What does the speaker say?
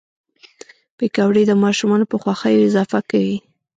پکورې د ماشومانو په خوښیو اضافه کوي